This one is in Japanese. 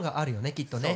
きっとね。